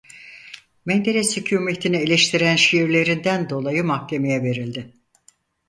Menderes hükûmetini eleştiren şiirlerinden dolayı mahkemeye verildi.